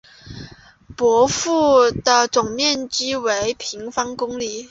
博雷的总面积为平方公里。